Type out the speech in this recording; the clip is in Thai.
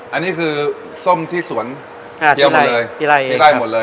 อันนี้คือส้มที่สวนเตียวหมดเลย